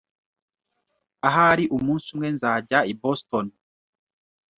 Ahari umunsi umwe, nzajya i Boston.